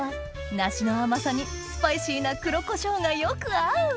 梨の甘さにスパイシーな黒胡椒がよく合う！